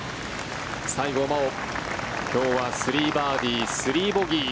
西郷真央、今日は３バーディー、３ボギー。